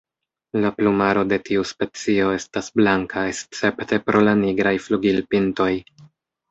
La plumaro de tiu specio estas blanka escepte pro la nigraj flugilpintoj.